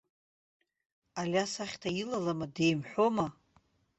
Алиас ахьҭа илалама, деимҳәома?